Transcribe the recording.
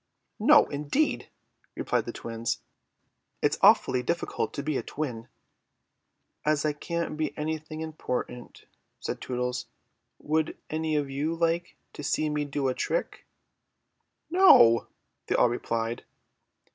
"No, indeed," replied the twins; "it's awfully difficult to be a twin." "As I can't be anything important," said Tootles, "would any of you like to see me do a trick?" "No," they all replied.